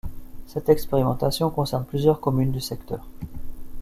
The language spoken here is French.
Cette expérimentation concerne plusieurs communes du secteur.